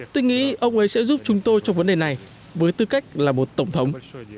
tôi nghĩ ông ấy sẽ giúp chúng tôi trong vấn đề này với tư cách là một tổng thống